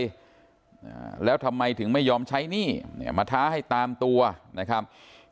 อ่าแล้วทำไมถึงไม่ยอมใช้หนี้เนี่ยมาท้าให้ตามตัวนะครับ